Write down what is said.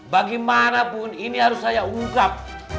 bagaimanapun ini harus saya ungkap